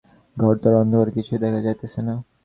ঘোরতর অন্ধকার– কিছুই দেখা যাইতেছে না।